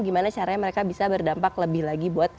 gimana caranya mereka bisa berdampak lebih lagi buat